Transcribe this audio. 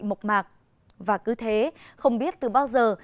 mộc mạc và cứ thế không biết từ bao giờ